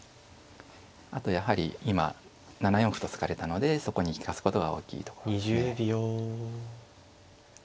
あとやはり今７四歩と突かれたのでそこに利かすことが大きいところですね。